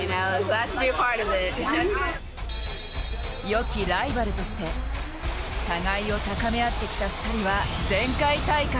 よきライバルとして互いを高めあってきた２人は前回大会